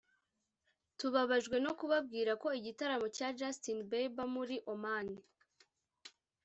“Tubabajwe no kubabwira ko igitaramo cya Justin Bieber muri Oman